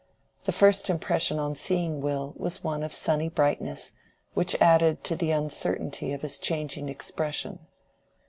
The first impression on seeing Will was one of sunny brightness, which added to the uncertainty of his changing expression.